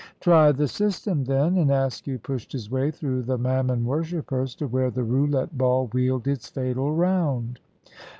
"Try the system, then"; and Askew pushed his way through the Mammon worshippers to where the roulette ball wheeled its fatal round.